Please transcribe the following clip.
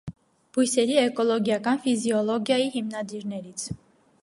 Բույսերի էկոլոգիական ֆիզիոլոգիայի հիմնադիրներից։